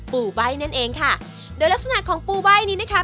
ใบ้นั่นเองค่ะโดยลักษณะของปูใบ้นี้นะคะ